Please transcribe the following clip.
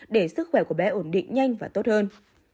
để sức khỏe của bé ổn định nhanh và tốt hơn